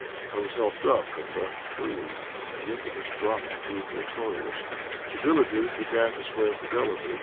I was helped up and left free. The infamous drama drew to a close. The villagers began to swear fidelity.